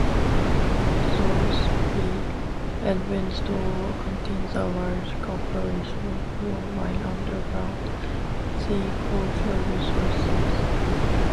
Thoresby, Edwinstowe contains a large operational coal mine underground, see Coalfield Resources plc.